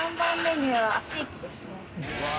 ステーキですね。